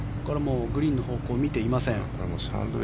グリーンの方向は見ていません。